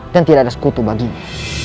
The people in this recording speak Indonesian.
dan tidak ada sekutu baginya